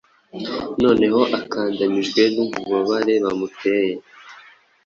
Noneho akandamijwe nububabare bamuteye